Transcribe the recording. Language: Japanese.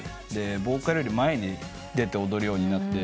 ボーカルより前に出て踊るようになって。